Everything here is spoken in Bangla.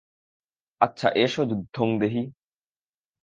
আচ্ছা এসো, যুদ্ধং দেহি!